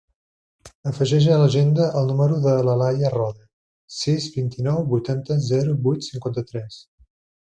Afegeix a l'agenda el número de l'Alaia Roda: sis, vint-i-nou, vuitanta, zero, vuit, cinquanta-tres.